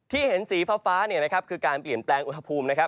ที่เห็นสีฟ้าวฟ้าคือการเปลี่ยนแปลงอุณหภูมิ